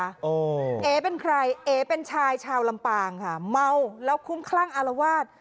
เอ๋เป็นใครเอ๋เป็นชายชาวลำปางค่ะเมาแล้วคุ้มคลั่งอารวาส